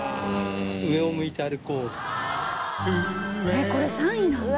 えっこれ３位なんだ。